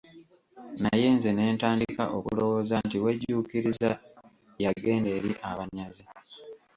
Naye nze ne ntandika okulowooza nti wejjuukiriza yagenda eri abanyazi.